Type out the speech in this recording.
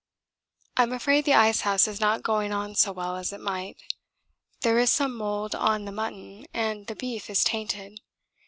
I'm afraid the ice house is not going on so well as it might. There is some mould on the mutton and the beef is tainted.